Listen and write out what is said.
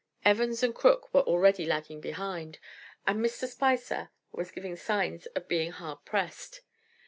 Evans & Crooke were already lagging behind, and Mr. Spicer was giving signs of being hard pressed.